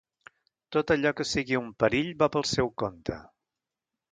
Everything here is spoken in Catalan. Tot allò que sigui un perill, va pel seu compte.